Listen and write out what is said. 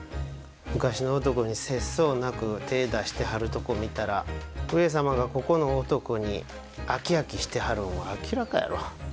昔の男に節操なく手ぇ出してはるとこ見たら上様がここの男に飽き飽きしてはるんは明らかやろ？